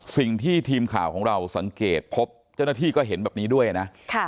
สิ่งที่ทีมข่าวของเราสังเกตพบจนที่ก็เห็นแบบนี้ด้วยอ่ะนะค่ะ